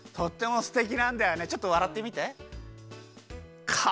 ちょっとわらってみて。